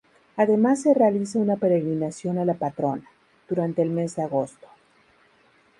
Además se realiza una peregrinación a la patrona, durante el mes de agosto.